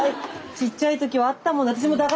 ちっちゃい時はあったもんな。